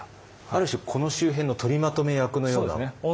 ある種この周辺の取りまとめ役のような。